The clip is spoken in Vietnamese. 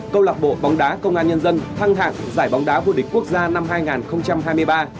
câu lạc bộ bóng đá công an nhân dân thăng hạng giải bóng đá vô địch quốc gia năm hai nghìn hai mươi ba